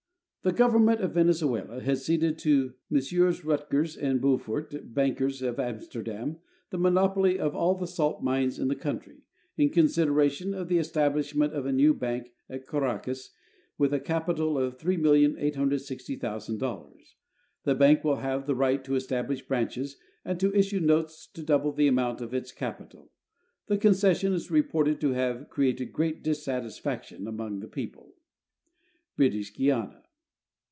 The government of Venezuela has ceded to Messrs Rut gers de Beaufort, bankers, of Amsterdam, the monopoly of all the salt mines in the country, in consideration of the establishment of a new bank in Caracas with a capital of $3,860,000. The bank will have the right to establish branches and to issue notes to double the amount of its capital. The concession is reported to have created great dissatisfac tion among the people. British Guiana.